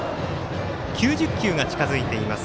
９０球が近づいています